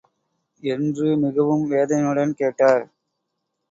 என்று மிகவும் வேதனையுடன் கேட்டார்.